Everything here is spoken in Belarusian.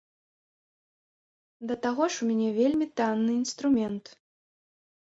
Да таго ж, у мяне вельмі танны інструмент.